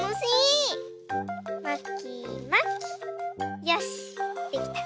よしできた！